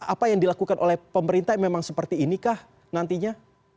apa yang dilakukan oleh pemerintah memang seperti inikah nantinya